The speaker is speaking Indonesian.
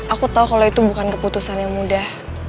aku tahu kalau itu bukan keputusan yang mudah